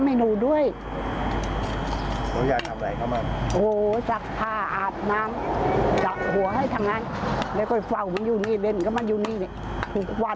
อะไรด้วยถึงเดือนไปนัดจ้างบาง๒วัน๓วัน